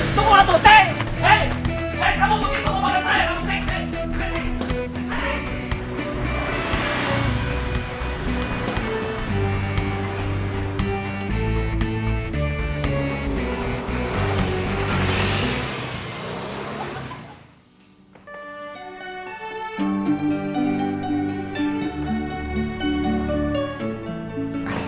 assalamualaikum pak kades